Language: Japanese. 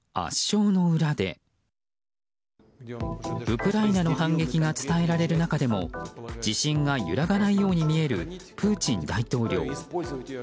ウクライナの反撃が伝えられる中でも自信が揺らがないように見えるプーチン大統領。